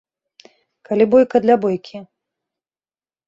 Калі бойка для бойкі.